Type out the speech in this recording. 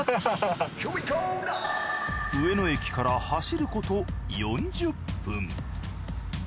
上野駅から走ること４０分。